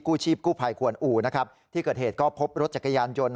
ชีพกู้ภัยควรอู่นะครับที่เกิดเหตุก็พบรถจักรยานยนต์